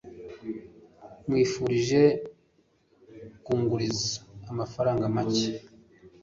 Nkwifurije kunguriza amafaranga make.